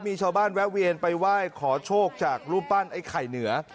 มีชาวบ้านแวะเวียนไปไหว้ขอโชคจากรูปปั้นไอ้ไข่เหนือ